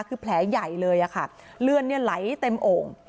คือแผลใหญ่เลยเลื่อนไหลเต็มโอ่ง